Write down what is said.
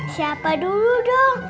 siapa dulu dong